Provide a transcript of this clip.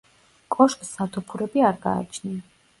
კოშკს სათოფურები არ გააჩნია.